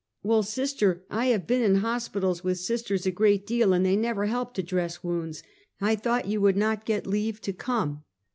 " Well, sister, I have been in hospitals with sisters a great deal, and they never help to dress wounds. I thought you would not get leave to come.